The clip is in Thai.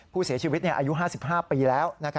ผู้เสียชีวิตอายุ๕๕ปีแล้ว